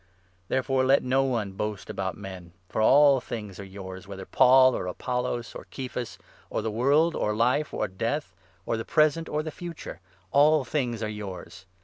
Therefore let no one boast about men ; for all things are 21 yours — whether Paul, or Apollos, or Kephas, or the world, or 22 life, or death, or the present, or the future — all things are yours